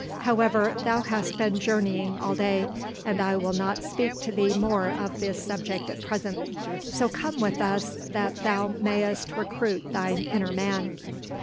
However, thou hast been journeying all day, and I will not speak to thee more of this subject at present, so come with us that thou mayst recruit thine inner man."